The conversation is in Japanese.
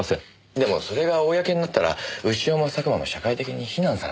でもそれが公になったら潮も佐久間も社会的に非難されます。